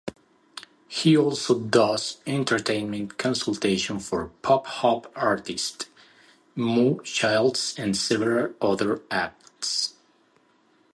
He also does entertainment consultation for pop-hop artist Mo Childs and several other acts.